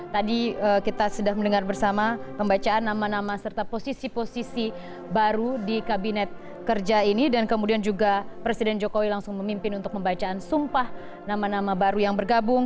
tadi kita sudah mendengar bersama pembacaan nama nama serta posisi posisi baru di kabinet kerja ini dan kemudian juga presiden jokowi langsung memimpin untuk membacaan sumpah nama nama baru yang bergabung